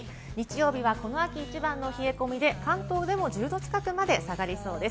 日曜日はこの秋一番の冷え込みで、関東でも１０℃近くまで下がりそうです。